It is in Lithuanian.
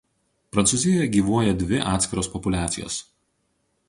Prancūzijoje gyvuoja dvi atskiros populiacijos.